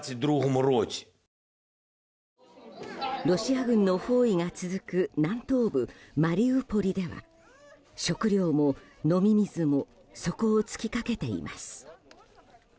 ロシア軍の包囲が続く南東部マリウポリでは食料も飲み水も底を尽きかけています。